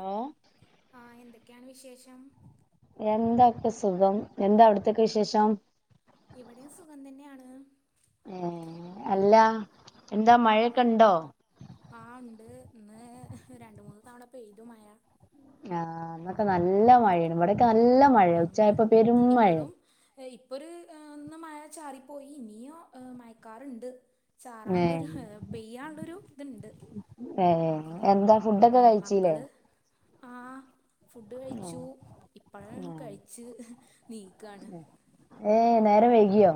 Hello ആ എന്തെക്കെയാണ് വിശേഷം? എന്ത ഒക്കസുഖം എന്താ അവ്ട്ത്തെക്കെ വിശേഷം? ഇവിടെയും സുഖം തന്നെയാണ്. ഏഹേ എല്ല എന്താ മഴക്കെണ്ടോ? ആഹ് ണ്ട് ഇന്ന് രണ്ട് മൂന്ന് തവണ പെയ്തു മഴ ആ ഇന്നൊക്കെ നല്ല മഴേണ് ഇവടെക്കെ നല്ല മഴ ഉംഹ് ഉച്ചായപ്പോ പെരും മഴ ഇപ്പഴും ഇപ്പൊര് ഏഹ് ഒന്ന് മഴ ചാറിപ്പോയി ഇനിയും മഴക്കാറ്ണ്ട് ഏ ചാറാനുള്ളൊരു പെയ്യാള്ളൊരു ഇത്ണ്ട് ഏ എന്താ ഫുഡൊക്കെ മ് കഴിച്ചീല്ലേ മക്കള് ആഹ് ഫുഡ് കഴിച്ചു ഇപ്പഴങ്ങ് കഴിച്ച് നീക്കാണ് ഏഹേ നേരം വൈകിയോ?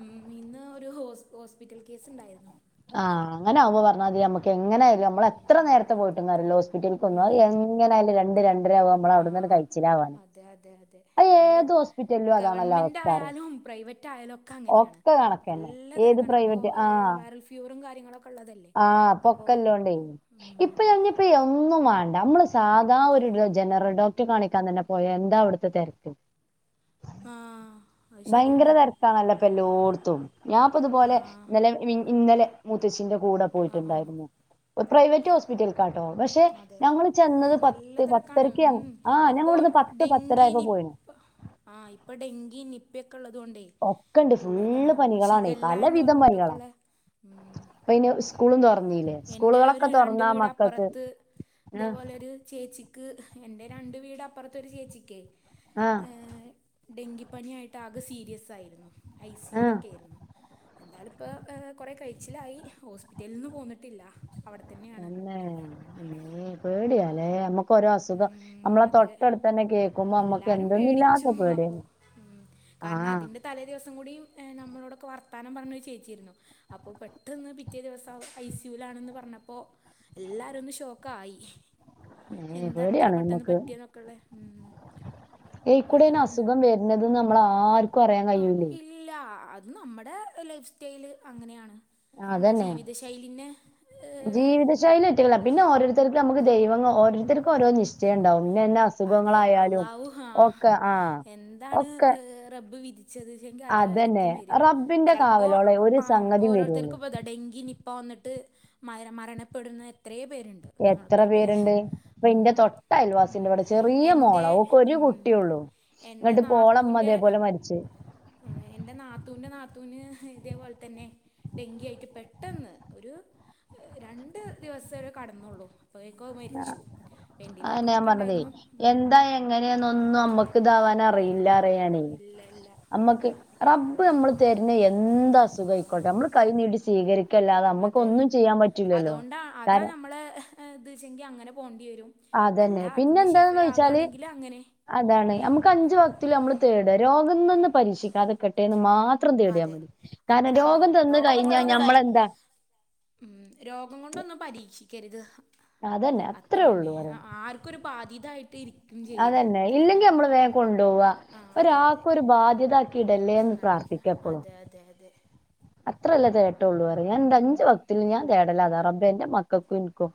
ഉം ഇന്ന് ഒരു ഹോസ് ഹോസ്പിറ്റൽ കേസ്ണ്ടായിരുന്നു ആ അങ്ങനാവുമ്പോ പറഞ്ഞാതിരി യമ്മക്ക് എങ്ങനെയാലും നമ്മള് എത്ര നേരത്തെ പോയിട്ടും കാര്യല്ല ഹോസ്പിറ്റൽക്ക് ഒന്നും അത് എങ്ങനെ ആയാലും രണ്ട് രണ്ട് ആഹ് അതെ അതെ അതെ അത് ഏത് ഹോസ്പിറ്റലിലും അതാണല്ലോ ഗവൺമെന്റ് അവസ്ഥ അറിയോ ആയാലും പ്രൈവറ്റ് റ്റയലൊക്കെ അങ്ങനെയാണ് ഒക്കെ കണക്കന്നെ നല്ല ഏത് തെരക്കാണ് ഇപ്പൊ പ്രൈവറ്റ് വൈറൽ ഫ്യൂറും കാര്യങ്ങളൊക്ക ആഹ് അപ്പോ ഒക്കെ ഇല്ലോണ്ടേ ഉം ഇപ്പൊ ഞ ഇപ്പൊ ഒന്നും വണ്ടാ നമ്മള് സാധാ ഒരു ജനറൽ ഡോക്ടർ റെ, കാണിക്കാൻ തന്നെ പോയ എന്ത അവിടുത്തെ തെരക്ക് ആഹ് അത് ഭയങ്കര ശരിയാണ് തെരക്കാണല്ലൊ ഇപ്പൊ എല്ലോടത്തും ഞാൻപ്പൊ ഇതുപോലെ ആഹ് ഇന്നലെ മിൻ ഇന്നലെ മൂത്തച്ചിന്റെ കൂടെ ആഹ് പോയിട്ടുണ്ടായിരുന്നു പ്രൈവറ്റ് ഹോസ്പിറ്റൽ ക്കാട്ടോ, പക്ഷെ അതെ ഞങ്ങൾ ചെന്നത് നല്ല പത്ത് തിരക്കാണ് പത്തരക്ക് ഉം ആഹ് ഞങ്ങൾ ഇപ്പോൾ ഇടുന്ന് പത്ത് പത്തര ഡെങ്കി ആയപ്പോ പോയിണ് നിപ്പ ആ ആഹ് ഇപ്പൊ ഡെങ്കി നിപ്പിയൊക്കെ ഉള്ളത്കൊണ്ടേ ഒക്കെ ഉണ്ട് നല്ല ഫുള്ള് ഇതാണ് പനികളാണ് ശിഖല്ല എന്ന് പലവിധം പറഞ്ഞിട്ടൊക്കെ പനികളാണ് ഉള്ളെ ഉം ഇപ്പൊ ഇനി സ്കൂളും തുറന്നില്ലേ എന്റെ സ്കൂളുകളൊക്കെ ഒരു രണ്ട് തുറന്നാ വീട് മക്കൾക്ക് അപ്പുറത്ത് ആ ഇതേപോലെ ഒരു ചേച്ചിക്ക് എന്റെ രണ്ട് വീട് അപ്പർത്തെ ഒരു ചേച്ചിക്കെ ആഹ് ഡെങ്കിപ്പനിയായിട്ട് ആകെ സീരിയസായിരുന്നു ഐ സി യുൽ ആ ഒക്കെ ആയിരുന്നു എന്തായാലും ഇപ്പൊ ഏ കുറെ കഴിച്ചിലായി ഹോസ്പിറ്റലിൽ നിന്ന് പോന്നിട്ടില്ല അവിടെ തന്നെയാണ് ഇമ്മേ പേടിയാലേ നമ്മക്ക് ഓരോ അസുഖം ഉം നമ്മളെ അതെ തൊട്ടടുത്തന്നെ കേൾക്കുമ്പൊ നമ്മക്ക് എല്ലാരും പേടിച്ചു എന്താനില്ലാത്ത അപ്പോ പേടിയാണ് ഉം കാരണം ആഹ് അതിന്റെ തലേ ദിവസം കൂടിയും നമ്മളോടൊക്കെ വർത്താനം പറഞ്ഞ ഒരു ചേച്ചിയായിരുന്നു അപ്പൊ പെട്ടന്ന് പിറ്റേ ദിവസം ഐ സി യുലാണ് എന്ന് പറഞ്ഞപ്പോ എല്ലാരും ഒന്ന് ഷോക്കായി മഇമ്മേ എന്താ ഇത്ര പേടിയാണ് പെട്ടെന്ന് നമ്മക്ക് പറ്റിയെന്നൊക്കെള്ളെ ഉം എയ്ക്കൂടെ അയിന് അതാണ് അസുഖം വര് ണത്, നമ്മക്ക് ആർക്കും അറിയാൻ ആഹ് കഴിയൂല ഇല്ല അത് നമ്മുടെ ലൈഫ് സ്റ്റൈല് അങ്ങനെയാണ് നമ്മുടെ അതന്നെ ജീവിത ശൈലിനെ ഏഹ് ജീവിതശൈലി ആയിട്ടല്ല പിന്നെ ഓരോരുത്ത ത്തർക്ക്, നമുക്ക് ദൈവം ഓരോരുത്തർക്ക് ഓരോ നിശ്ച്ചയം ഉണ്ടാവും ഇന്ന എന്ന അസ് അതെ അള്ളാവു ആഹ് ആഹ് എന്താണ് ഒക്കെ റബ്ബ് വിധി ച്ചതിച്ചെങ്കി, അതന്നെ അതായിരിക്കും വര റബ്ബിന്റെ ചിലപ്പോ കാവലോളെ ഒരു ആഹ് സംഗതിയും വരുള്ളൂ ഓരോരുത്തർക്കും ഇതാ ഡെങ്കി നിപ്പ വന്നിട്ട് മര മരണപ്പെടുന്നു എത്ര പേരുണ്ട് എത്ര നമ്മൾക്ക്‌ ഇടയില് പേരുണ്ട് ഇപ്പൊ ഉം ഇന്റെ തൊട്ട ഉം അയൽവാസിന്റെ ഇവിടെ ചെറിയ എന്റെ മോളാ ഓക്ക് ഒരു ഉം കുട്ടിയുള്ളൂ എന്റെ എന്നിട്ട് ഇപ്പൊ ഓളെ ഉമ്മ നാത്തൂന്റെ ഇതേപോലെ മരിച്ച് ആഹ് എന്റെ നാത്തൂന്റെ നാത്തൂന് ഇതേപോലെത്തെന്നെ ഡെങ്കി ആയിട്ട് പെട്ടെന്ന് ഒര് രണ്ട് ദിവസേ കടന്നൊള്ളു അപ്പോയേക്കും അത് മരിച്ചു അതന്നെ ഞാൻ വെന്റിലേറ്ററിലൊക്കെ പറഞ്ഞതേ ഉണ്ടായിരുന്നു ഉം. എന്താ എങ്ങനെ എന്നൊന്നും നമ്മക്ക് ഇതാവ അറിയില്ല അല്ല പറയാ ഞാനെ ഇല്ല ഇല്ല നമ്മക്ക് റബ്ബ് നമ്മള് തരുന്ന എന്താ അസുഖം ആയിക്കോട്ടെ നമ്മള് കൈനീടി സ്വീകരിക്ക അതെ അതോണ്ടാ അതാ കാരണം നമ്മളെ ഇതേച്ചെങ്കി അങ്ങനെ പോകേണ്ടിവരും അല്ല അതന്നെ പിന്നെ അതിന്ന് ശിഫ എന്താന്ന് വെച്ചാല് ആകുകയാണെങ്കിൽ അങ്ങനെ അതാണ് അമ്മക്ക് അഞ്ചുവക്‌തിലും അമ്മള് തേടാ രോഗംന്നിന്ന് പരീക്ഷിക്കാതെകെട്ടേന്ന് മാ മാത്രം അതെ തേടിയാമതി കാരണം അത്രേ ഉള്ളൂ രോഗംതന്ന് രോഗം കഴിഞ്ഞാ കൊണ്ടൊന്നും ഞമ്മളെന്താ ഉം രോഗംകൊണ്ടൊന്നും പരീക്ഷിക്കര്ത് അതന്നെ അത്രേ ഉള്ളൂ അത്രയെന്നേ ആ പറയാൻ ആർക്കും ഒരു ബാധീതായിട്ട് ഇരിക്കും ചെയ്യരുത് അത്രേണ് ആഹ് ഒരാക്കും ഒരു ബാധ്യത്താക്കി ആ ഇടല്ലേന്ന് അതെ പ്രാർത്ഥിക്കപ്പളും അതെ അതെ അതെ അത്രല്ലേ തേട്ടള്ളൂ അറിയൂ ഞാൻന്റെ അഞ്ച് ഉം വക്തിലും ഞാൻ തേടലതാ റബ്ബേ ഇന്റെ മക്കക്കും ഇൻക്കും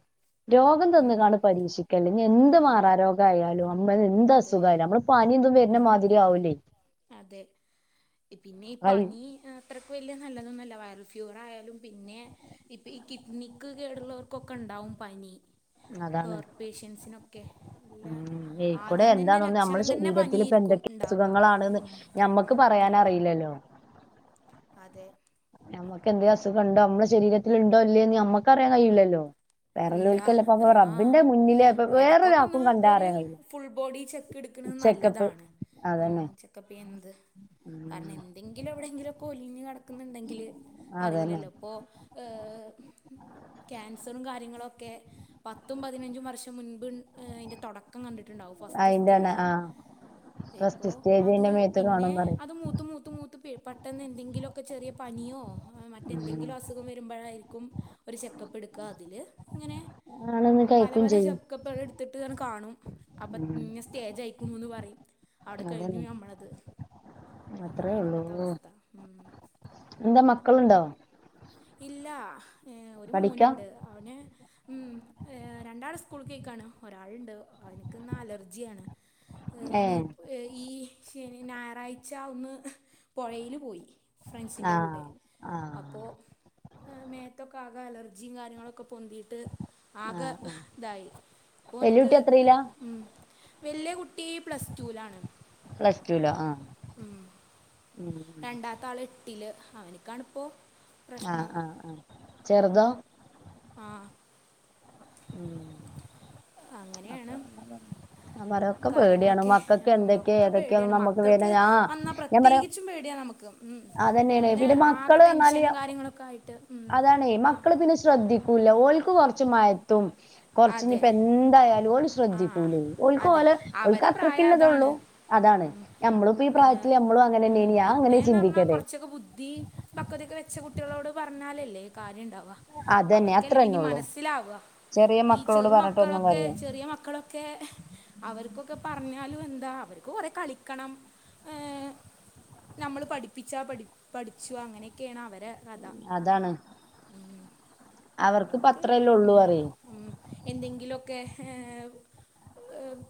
രോഗം ഉം തന്ന്കാണ്ട് പരീക്ഷിക്കല്ലേ ഇഞ്ഞി ആ എന്ത് മാറാരരോഗം ആയാലും നമ്മള് എന്ത്‌ അതെ അസുഖയാലും നമ്മള് പനി ഇതും ഉം വെര്നമാതിരി ആവൂലേ അതെ ഇപിന്നെ ആയി ഈപനി അത്രക്ക് വെല്ല്യ നല്ലതൊന്നല്ല വയറൽഫ്യൂറആയാലും പിന്നേ ഇപ്പം ഇകിഡ്നിക്ക് കേടുള്ളവർക്കൊക്കെ ഇണ്ടാവുംപനി അതാണ് ഹാർട്ട്പേഷ്യൻസിനൊക്കെ നല്ല നെയ്ക്കൂടെ ആദ്യം തന്നെ എന്താന്നൊന്നുഅമ്മളെ ലക്ഷണം തന്നെ ശരീരത്തില് പനിയായിരിക്കും പ്പഎന്തൊക്കെ ഉണ്ടാവുക അസുഖങ്ങളാണ്ന്ന് ഞമ്മക്ക് ഉം, പറയാനറിയില്ലല്ലോ അതെ നമ്മക്ക് എന്തേഅസുഖഇണ്ടോ അമ്മളെ ശരീരത്തിലിണ്ടോ ഇല്ലേന്ന് നമ്മുക്കറിയാൻ കഴിയൂല്ലല്ലോ ഇല്ല വേറെല്ലോൽക്കല്ലേ ഇപ്പപ്പൊ ആഹ് റബ്ബിന്റെ മുന്നില് ഇപ്പൊ വേറൊരാൾക്കും എടക്കൊക്കെന്ന് കണ്ടാ ഒരു അറിയാൻ കഴിയില്ല ഫുൾബോഡിചെക്ക് ചെക്കപ്പ് ക്ക്ണനല്ലതാണ് ഉ അതന്നെ ചെക്കപ്പ്എന്ത്‌ പറഞ്ഞ എ ന്തെങ്കിലൊവിടെയെങ്കിലൊക്കെ ഒലിഞ്ഞ്കടക്കുന്നുണ്ടങ്കില് അതന്നെ അറിയില്ലല്ലോ ഓഹ് ക്യാൻസറു കാ നിങ്ങളൊക്കെ പത്തുംപതിനഞ്ചും വർഷംമുൻപ് അയിന്റെ തൊട ക്കം കണ്ടിട്ട്ണ്ടാവും അയിന്റെണ് ഫസ്റ്റ്സ്റ്റേജ് ആഹ് ഇപ്പോ ഫസ്റ്റ് അത് സ്റ്റേജിന്റെ മേത്ത് കാണും പിന്നേ പറയും അത് മൂത്ത്മൂത്ത് മൂ പീ പെട്ടെന്ന് എന്തെങ്കിലുഒക്കെ ചെറിയപനിയോ ഉം മറ്റെന്തെങ്കിലുംഅസുഖം വെരുമ്പഴായിരിക്കും ഒര് ചെക്കപ്പ്എടുക്ക അതില് ഇങ്ങനെ ആണെന്ന് കഴിക്കും പലപല ചെ ചെയ്യും ക്കപ്പ് അതെഎടുത്തിട്ട്അത്‌കാണും അപ്പ ഉം ഇന്നസ്റ്റേജ്അയിക്കൂണൂന്ന്പറയും അവടെ കഴിഞ്ഞു അതന്നെ ഞമ്മളത് അത്രേ അങ്ങനെയാണ് ഇപ്പത്തെഅവസ്ഥ ഉം എന്താമക്കള്ണ്ടോ ഇല്ല ഏഹ് പഠിക്കാ ഒരുമോന്ണ്ട് അവന് ഉ രണ്ടാള്സ്കൂൾക്കയ്ക്കാണ് ഒരാള്ണ്ട് അവൻക്ക്ന്നഅലർജിയാണ് ഹ്ഓന് ഏഹ് ഏഈ ശനിംഞായറാഴ്ച ഒന്ന് പൊഴയില് പോയി ആഹ് ഫ്രണ്ട്സിൻന്റെകൂടെ ആഹ് അപ്പോൾ ആ മേതൊക്കെആകെ അലർജിം കാര്യങ്ങളൊക്കെ പൊന്തി ട്ട് ആഹ് ആഹ് ആകെതായി വെല്ല്യ ഇപ്പൊഓന്ക്ക് കുട്ടി എത്രയിലാ ഉം വെല്ല്യകുട്ടീ പ്ലസ് റ്റൂലാണ് പ്ലസ് റ്റൂലോ ആഹ് രണ്ടാത്തആള് എട്ടില് അവനിക്കാണിപ്പോ ആഹ് ആഹ് ആഹ് ചെറ്തോ ആഹ് ഉം അങ്ങനെയാണ് അപ്പൊവന്നതന്നേ ഞാൻപറയഒക്കെ പേടിയാണ് കാര്യങ്ങളൊക്കെ മക്കക്ക് ഉം, ഒക്കെ എന്തക്കേഏതൊക്കേഒന്നും പേടിയാണ് അമ്മക്ക് മക്കൾക്ക് വിവരംഞാ വന്നാൽ ഞാപറയ പ്രത്യേകിച്ചും പേടിയാണ് നമുക്ക് ഉം. അതന്നേണ് പിന്നെ ആകെ മക്കള്അറിഞ്ഞാലിയ ടെൻഷനും കാര്യങ്ങളൊക്കെ ആയിട്ട് ഉം. അതാണ് ആ മക്കള്പിന്നെശ്രദ്ധി കൂല ഓൽക്ക്കൊറച്ച്മയത്തും കൊറച്ച് അതെ ഇഞ്ഞിപ്പഎന്തായാ ആ ശ്രദ്ധിക്കൂലേ അതെ ഓൽക്ക്‌ഓലെ ഓൽക്ക് അവരെ പ്രായം അത്രക്കിള്ളതൊള്ളൂ അതാണ് അതാണ് നമ്മളും ഇപ്പഈപ്രായത്തില് അമ്മളും അങ്ങനെന്നേനി ഞാഅങ്ങനെ ചിന്തിക്കല് ച്ചക്കെ ബുദ്ധി പക്വതയൊക്കെവെച്ച കുട്ടികളോട്പറഞ്ഞാലല്ലേ കാര്യണ്ടാവ അതന്നെ അത്ര അവർക്കല്ലേ തന്നെ പിന്നിം ഉള്ളൂ മനസ്സിലാവ ചെറിയ ഈ മക്കളോട് പറഞ്ഞിട്ടൊന്നും ചെറുമക്കളൊക്കെ കാര്യല്ല ചെറിയ മക്കളൊ ക്കേ അവർക്കൊക്കെപറഞ്ഞാലും എന്താ അവർക്ക്കൊറെ കളിക്കണം നമ്മള്പഠിപ്പിച്ചാപഠി പഠിച്ചു അങ്ങനെക്കെയേണ അവരെകഥ അതാണ് ഉം അവർക്കിപ്പ അത് അത്രല്ലേ ഉള്ളൂ ഉം പറയും എന്തെങ്കിലുമൊക്കെ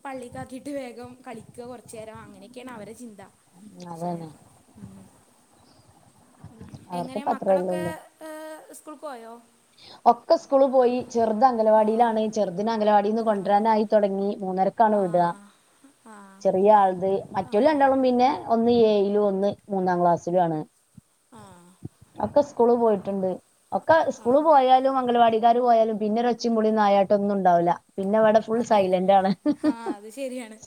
പള്ളിക്കാക്കീയിട്ട് വേഗം കളിക്കുക കുറച്ചുനേരം അങ്ങനെയൊക്കെയാണ് അവരുടെ ചിന്ത ശെ അതന്നെ ഉ എങ്ങനെ അവർക്കിപ്പ അത്രല്ലേ മക്കളൊക്കെ ഉള്ളൂ സ്കൂൾക്ക് പോയോ ഒക്കെ സ്കൂള് പോയി ചെറുത് അംഗന ആ വാടിയിലാണ്ചെറുതിനെ അംഗന വാടിന്ന് ആ കൊണ്ടുവരാനായി തുടങ്ങി മൂന്നരക്കാണ് ആ വിടുക ആ ചെറിയ ആളത് ആ മറ്റല്ല രണ്ടാളും പിന്നെ ഒന്ന് ഏഴിലും ഒന്ന് മൂന്നാം ക്ലാസ്സിലും ആണ് ആ ഒക്ക സ്കൂള് പോയിട്ട്ണ്ട് ഒക്കെ ആ സ്കൂള് പോയാൽ. ലും അംഗൽവാടിക്കാര് പോയാലും പിന്നെരൊച്ചിം ബുളിം നായട്ടൊന്നുണ്ടാവുല. പിന്നവടെ ഫുൾ അതെ സൈലൻ്റാണ്. ആ അത് ശരിയാണ്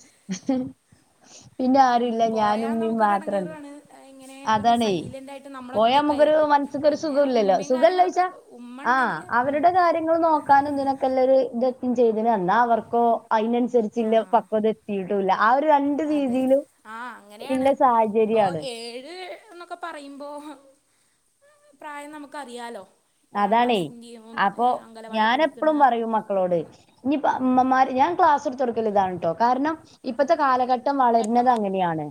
പിന്നെ ഉം, ആരുല്ല ഞാനു പോയാൽ മ്മിം നമുക്കൊരു മാത്രണ്ട് ഇടങ്ങേറാണ് ഇങ്ങനെ ഒരു അതാണെ സൈലൻ്റ് ആയിട്ട് നമ്മൾ പോയാമ്മക്കൊരു ഒറ്റക്കായിരിക്കും മൻസ് സ്ക്കൊരു പിന്നെ സുഖൂല്ലല്ലോ ഉമ്മയും സുഖല്ലെയ്ച്ച. കാര്യങ്ങളൊക്കെ ഉമ്മ ആഹ് ഉണ്ടെങ്കിൽ ഉം, അവരുടെ കാര്യങ്ങള് നോക്കാനും തിനൊക്കെല്ലരു ത്. ചെയ്ത്ണ് എന്നാ അവർക്കോ ആ അയിനൻസര്ച്ച്ല്ല പക്വത എത്തിട്ടുല്ല ആ ഒരു രണ് അതെ ആഹ് അങ്ങനെയാണ് പ്പൊ സാഹചര്യാണ് ഏഴ് ന്നൊക്ക പറയ്മ്പോ പ്രായം നമുക്കറിയാലോ. ഏഴാം അതാണേ ക്ലാസ്സിൻ്റെയും അപ്പൊ അംഗനവാടി പഠിക്കുന്ന ഞാനെപ്പളും പറയൂ മക്കളോട് കുട്ടിൻ്റെയും ഞ്പ്പ മ്മമ്മാര് ഞാ ക്ലാസ്ട്ത്തൊട്ക്കല് ഇതാണ് ട്ടോ കാര്ണം ഇപ്പത്തെ കാലഘട്ടം ഘട്ടം വളര്നത് അങ്ങനെയാണ്.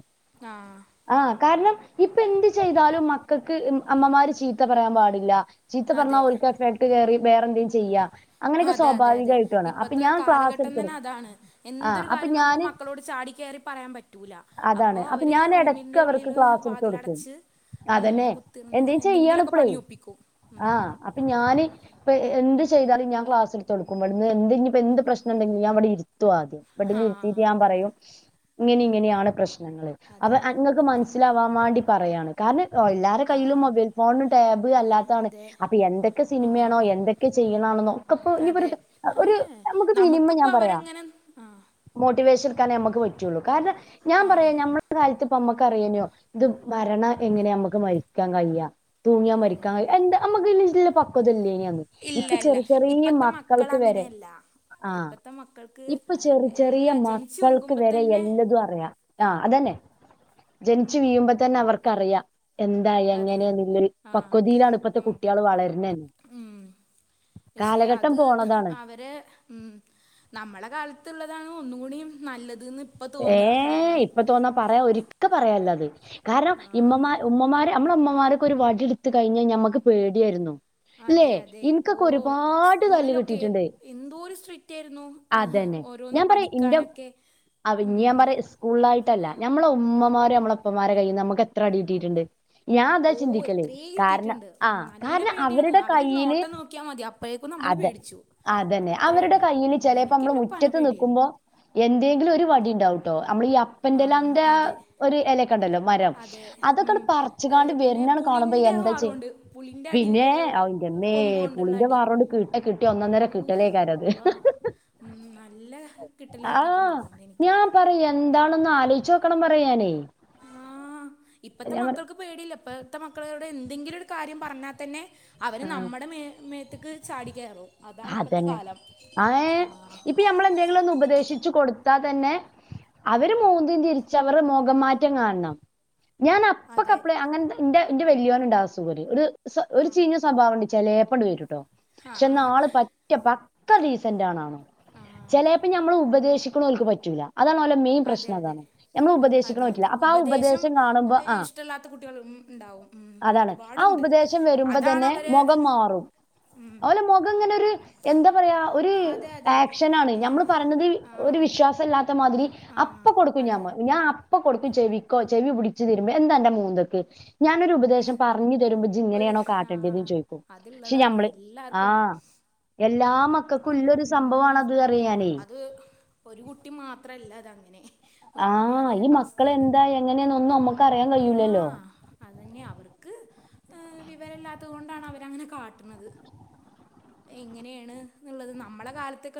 ആഹ് ആഹ് കാരണം ഇപ്പെന്ത് ചെയ്താലും മക്കക്ക് ഇം അമ്മമാര് ചീത്ത പറയാ പാടില്ല. ചീത്തപർഞ്ഞാ ഓൽക്കെഫേട്ട് കേറി ബേറെന്തേം ചി ഹതെ അതെ അതെ അപ്പൊ ഇപ്പത്തെ ഞാൻ ക്ലാസ് കാലഘട്ടം തന്നെ എടുത്തെടുക്കും. അതാണ് ആ എന്തൊരു അപ്പൊ കാര്യം നമുക്ക് ഞാന് മക് ക്കളോട് ചാടി കേറി പറയാ പറ്റൂല അപ്പോ അതാണ് അപ്പൊ അവര് ഞാൻ എടക്ക് റൂമിന്റെ അവർക്ക് ഉള്ളില് ക്ലാസ് എടുത്ത് കൊടുക്കും. വാതിലടച്ച്. ഉം അതന്നെ കുത്തിർന്ന് എന്തെങ്കിലൊക്കെ പണിയൊപ്പിക്കും. ആഹ് അപ്പ ഞാന് പ്പ എ എന്ത് ചെയ്താലും ഞാ ക്ലാസ്ട്ത്തൊട്ക്കും ബട്ന്ന് എന്ത്ഞ്ഞ്. പ്പെന്ത് പ്രശ്നണ്ടെങ്കിലും ഞാവടെ ഇര്ത്തു ആദ്യം ബെഡിലിത്തിറ്റ് ആഹ് ഞാ പറയും. ങ്ങനി ങ്ങനി ആണ് പ്രശ്നങ്ങള് അപ അതെ അ ങ്ങക്ക് ഉം മൻസ്സിലാവാ വാണ്ടി. പറയാണ് കാരണം ഒ എല്ലാരെ കയ്യിലും ആഹ് മൊബൈൽ ഫോണും ടാബ് അല്ലാ താണ് അതെ അപ്പയെന്തെക്കെ സിനിമേണോ ആഹ് എന്തെക്കെ ചെയ്യ്ണാണ്ന്നോ ഒക്കപ്പോ ഞ്ഞ്പ്പൊരു അ ഒരു നമുക്ക്പ്പൊ അവരെങ്ങനെ ആഹ്. മോട്ടിവേഷട്ക്കാനേ ഞ്ഞമ്മക്ക് പറ്റുള്ളൂ കാരണ ഞാ ആഹ് പറയാ ഞ്ഞമ്മൾ. പ കാൽത്ത് പ്പമ്മക്കറ്യേനോ ഇത് മരണ എങ്ങനെയാ മ്മക്ക് മരിക്കാൻ കയ്യ തൂങ്ങ്യ മരി അതെ എന്ത അമ്മക്കയ്‌ല്ച്ച്ള്ള പക്വതല്ലേന്യന്ന് ഇല്ല ഇപ്പ ഇല്ല ചെറി ചെറീ ഇപ്പത്തെ മക്കള് മക്കൾക്ക് വരെ. അങ്ങനെയല്ല ആഹ് ഇപ്പത്തെ മക്കൾക്ക് ഇപ്പ ചെറി ചെറിയ എല്ലാ ജനിച്ചു മക്കൾക്ക് വിങ്കുമ്പോ വരെ തന്നെ എല്ലതു അറിയാ. ആഹ് അതന്നെ ജൻച്ചു വീയുമ്പ തന്നെ അവർക്കറിയ എന്താ അതെ എങ്ങനെന്ന്ല്ലര്. ആഹ് പക്വതീലാണ് ഇപ്പത്തെ ഉം കുട്ട്യാള് വളര്ന ഉം പക്ഷെ കാലഘട്ടം അത് പോണതാണ്. അവരെ ഉം നമ്മള കാൽത്ത്ള്ളതാണ് ഒന്നുകൂടിം നല്ലത് ന്ന്. ഏ ഇപ്പ തോന്ന പറയാ ഒരിക്ക പറയാല്ലത് കാരണം ആഹ് ഇമ്മമാ ഉമ്മമാരെ. ഞ്ഞമ്മളമ്മമാരൊക്കൊരു വടിട്ത്ത് കഴിഞ്ഞ ഞ്ഞമ്മക്ക് പേട്യാര്ന്നു. ല്ലെ അതെ അതെ ഓ ഇൻക്കക്കൊരുപാട് തല്ല് സ്കൂളിലൊക്കെ കിട്ടിറ്റ്ണ്ട്. എന്തോരു സ്ട്രിക്റ്റ് ആയിരുന്നു ഏഹ് അതന്നെ ഓരോന്ന് ഞാപറയാ ഇന്റെ പഠിക്കാനൊക്കെ അവ് പഞ് ഉം ഞ്ഞാപറ്യ ഇസ്കൂൾലായ്ട്ടല്ല ഞ്ഞമ്മള ഉമ്മമാരു ഞ്ഞമ്മളെ പ്പമാരെ കയ്യിന്ന് നമ്മക്കെത്ര അടി കിട്ടിറ്റ്ണ്ട്. ഓഹ് എത്രേ കിട്ടീറ്റ്ണ്ട് ഉം ആ നല്ല കാരണം പേടിയാണ് അവരുടെ അവരൊരു കയ്യില് നോട്ടം നോക്ക്യാ മതി അ പ്പഴേക്കും നമ്മള് അതെ പേടിച്ചു. അതന്നെ അവരുടെ അത്രയാണ് കയ്യില് ഉം, പെലേപ്പമ്മള് എനിക്കെൻ്റെ ഉപ്പാനെ മുറ്റത്ത് പേടിയായിരുന്നു ന്ന്ക്കുമ്പൊ. എന്തേങ്കിലൊര് വടിണ്ടാവുട്ടോ അമ്മളീ ആ അപ്പന്റെലാന്റെ അതെ ഒര് എലെക്കണ്ടല്ലോ. മരം അതെ ഉം, അതൊക്കെട് ഏ, പർച്ച്കാണ്ട് പിന്നെ വര്നാണ് കാണുമ്പൊ പുളിൻ്റെ എന്ത ചെ ഹാറുണ്ട് പുളിൻ്റെ അടി പിന്നേ ഏ, ഔ ൻ്റമ്മേ കൊമ്പ് കൊണ്ടുള്ള പുളിന്റെ അടി വാറോണ്ട് കിട്ട കിട്ട്യ ഒന്നൊന്നര ഊ കിട്ടലേക്കാരത്. അല്ലാ ഉം നല്ല കിട്ടല് കിട്ടിറ്റ്ണ്ട് അതോണ്ടെനി ഞാ പറി എന്താണെന്ന് ആലോയ്ച്ചോക്കണം പറയാനേ. അഹ് ഇപ്പത്തെ മക്കക്ക്. പേടില്ല ഇപ്പഴത്തെ മക്കളേട് എന്തെങ്കിലൊര് കാര്യം പറഞ്ഞാ തന്നെ അവര് ആഹ് നമ്മടെ മേ മേത്ത് ക്ക് ചാടി കയറു അതാണ്പ്പത്ത കാലം. അ ഏഹ് ആ, ഇപ്പ ഞ്ഞമ്മള് എന്തെങ്കിലൊന്ന് ഉപദേശിച്ചു കൊടുത്താ തന്നെ. അവര് മൂന്തിം തിര്ച്ചവറെ മൊഖം മാറ്റം കാൺണം. അതെ ഞാനപ്പക്കപ്ലെ അങ്ങൻത ഇന്റെ ന്റെ വല്ലോന്ണ്ടാ അസുഖരു ഒര്. സ്വ ആ ഒരു ചീഞ്ഞ സ്വഭാവണ്ട് ചെലേപ്പണ്ട് വരുട്ടോ ആ ക്ഷെ ന്നാ ആള്. ഒറ്റ പക്കാ ഡീസന്റ് ആണാവ്ണ് ആ ചെലേപ്പ ഞമ്മള് ഉപദേശിക്ക്ണെഹ് ഓൽക്ക് പറ്റൂല അതാണോലെ മെയിൻ അതെ പ്രശ്നം അതെ അതാണ് ഞമ്മൾ ഉപദേശിക്കണ അതെ അതെ പറ്റൂല അപ്പൊ ആ ഉപദേശം കാണുമ്പോ ഏഹ്, അഹ് ഇഷ്ടമില്ലാത്ത കുട്ടികൾ ഉണ്ടാവും ഉം, അതാണ് ആ ഒരുപാടുണ്ട് ഉപദേശം അതാണ് വെരുമ്പതന്നെ അവര് മൊഖം മാറും ഉം, ഓലെ മൊഖ ഖംങ്ങനൊരു എന്താ പറയാ ഒരു അതെ അതെ ആക്ഷനാണ് ഞമ്മള് ഏഹ്, പറിണത് ആ ഒരു വിശ്വാസല്ലാ ത്തമാതിരി ആ അപ്പൊ കൊടുക്കും അതെ ഞാമ് ഞാ അ പ്പൊകൊട്ക്കും ചെവിക്കോ ചെവി പുടിച്ച് തിര്മ്പേ എന്താ അന്റെ മൂന്തക്ക് ഞാനൊരു ഉപദേശം പറഞ്ഞ്തരുമ്പോ ഇജ്ജ് ഒരു ഇങ്ങനേണോ ആ കാട്ടണ്ടെന്നും ചോയിക്കും പക്ഷെ അതുള്ളതാണ് നമ്മള് എല്ലാവർക്കും ആഹ് ഉണ്ട് എല്ലാ മക്കക്കും ഇല്ലൊരു സംഭവാണ് ഉം. അത് അറ് യ ഞാനെയ് അത് ഒരു കുട്ടി മാത്രല്ല അതങ്ങനെ ആ പ്പൊഎല്ലാരേ ഈ അവസ്ഥയാണത് മക്കളെന്താ എങ്ങനെയാന്നൊന്നും നമ്മക്ക് അറിയാൻ കഴിയൂലല്ലോ അഹ് അതെന്നെ അവർക്ക് ഏഹ് വിവരില്ലാത്തഹ്കൊണ്ടാണ് അവര് അങ്ങനെ കാട്ട്ണത് എങ്ങനേണ് ന്ന്ള്ളത് നമ്മളെ കാലത്തൊക്കെ